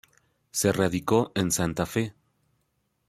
Se radicó en Santa Fe.